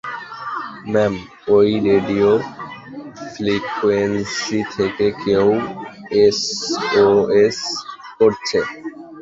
Ma'am ঐ radio frequency থেকে কেউ এসওএস করছে।